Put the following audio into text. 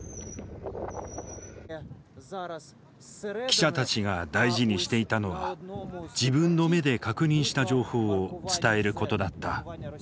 記者たちが大事にしていたのは自分の目で確認した情報を伝えることだった。